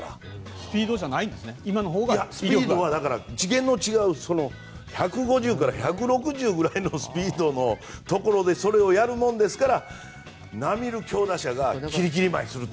スピードは次元の違う１５０から１６０ぐらいのスピードのところでそれをやるものですから並みいる強打者がきりきり舞いすると。